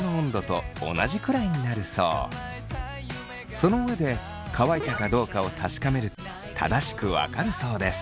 その上で乾いたかどうかを確かめると正しく分かるそうです。